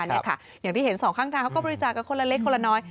อย่างที่เห็นสองข้างทางเขาก็บริจาคกันคนละเล็กคนละน้อย